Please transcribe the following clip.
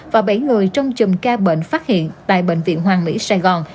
và bảy người trong chùm ca bệnh phát hiện tại bệnh viện hoàng mỹ sài gòn